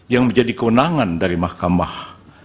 yang menjadi kewenangan dari mahkamah